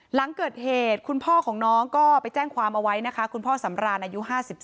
หลังเกิดเหตุคุณพ่อของน้องก็ไปแจ้งความเอาไว้นะคะคุณพ่อสำราญอายุ๕๗